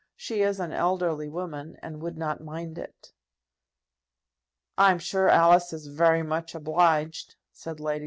She is an elderly woman, and would not mind it." "I'm sure Alice is very much obliged," said Lady.